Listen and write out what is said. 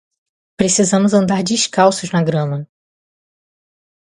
Precisamos andar descalços na grama.